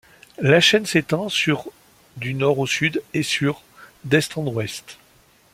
La chaîne s'étend sur du nord au sud, et sur d'est en ouest.